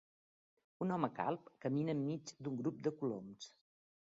Un home calb camina enmig d'un grup de coloms.